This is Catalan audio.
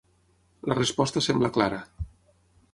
La resposta sembla clara.